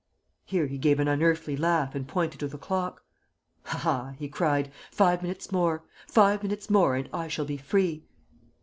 "Here he gave an unearthly laugh and pointed to the clock. "'Ha, ha!' he cried. 'Five minutes more five minutes more and I shall be free.'